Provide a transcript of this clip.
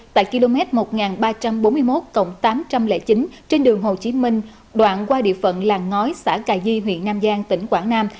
tại km một nghìn ba trăm bốn mươi một tám trăm linh chín trên đường hồ chí minh đoạn qua địa phận làng ngói xã cà di huyện nam giang tỉnh quảng nam